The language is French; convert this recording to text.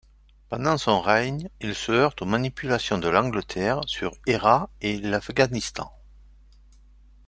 Pendant son règne il se heurte aux manipulations de l'Angleterre sur Hérat et l'Afghanistan.